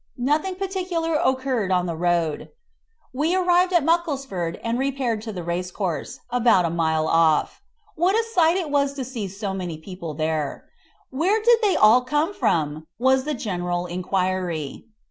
Nothing particular occurred on the road. We arrived at Mucklesford and repaired to the racecourse, about a mile off. What a sight it was to see so many people there. "Where did they all come from?" was the general enquiry.